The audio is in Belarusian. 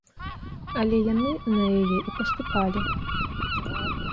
Але яны на яе і паступалі.